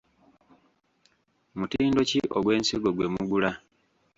Mutindo ki ogw’ensigo gwe mugula?